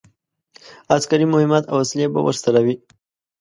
عسکري مهمات او وسلې به ورسره وي.